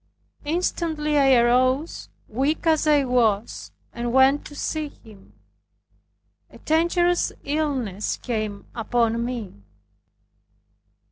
Instantly I arose, weak as I was, and went to see him. A dangerous illness came upon me.